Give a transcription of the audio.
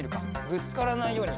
ぶつからないように。